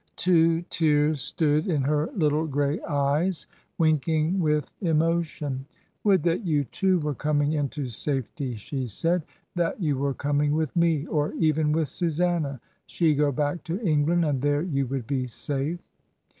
Two tears stood in her little grey eyes, winking with emotion. "Would that you, too, were coming into safety," she said; "that you were coming with me — or even with Susanna — she go back to England, and there you would be safe."